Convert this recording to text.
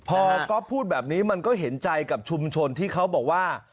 พอก๊อฟพูดแบบนี้มันก็เห็นใจกับชุมชนที่เขาบอกว่า